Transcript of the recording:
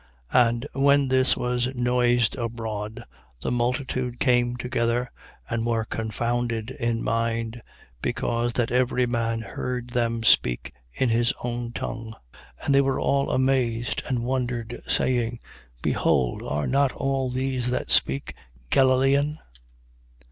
2:6. And when this was noised abroad, the multitude came together, and were confounded in mind, because that every man heard them speak in his own tongue. 2:7. And they were all amazed, and wondered, saying: Behold, are not all these that speak Galilean?